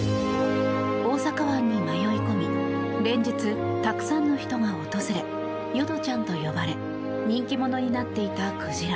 大阪湾に迷い込み連日、たくさんの人が訪れ淀ちゃんと呼ばれ人気者になっていた鯨。